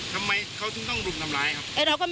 ทำไมเขาถึงต้องรุมทำร้ายครับ